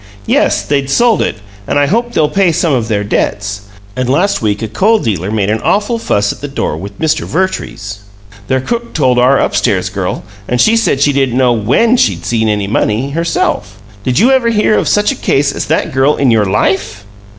Yes, they'd sold it; and I hope they'll pay some of their debts. They owe everybody, and last week a coal dealer made an awful fuss at the door with Mr. Vertrees. Their cook told our upstairs girl, and she said she didn't know WHEN she'd seen any money, herself! Did you ever hear of such a case as that girl in your LIFE?"